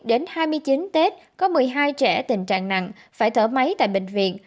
đến hai mươi chín tết có một mươi hai trẻ tình trạng nặng phải thở máy tại bệnh viện